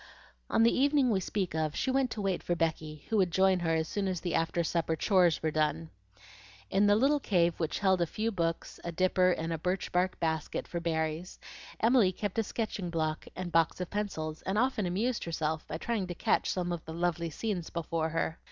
On the evening we speak of, she went to wait for Becky, who would join her as soon as the after supper chores were done. In the little cave which held a few books, a dipper, and a birch bark basket for berries, Emily kept a sketching block and a box of pencils, and often amused herself by trying to catch some of the lovely scenes before her.